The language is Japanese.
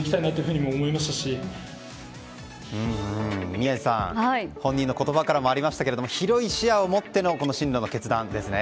宮司さん、本人の言葉からもありましたけれども広い視野を持っての進路の決断ですね。